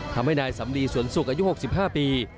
ทำให้นายสำลีสวนสุขอายุหกสิบห้าปี